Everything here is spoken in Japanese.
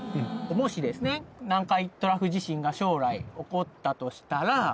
もしですね南海トラフ地震が将来起こったとしたら。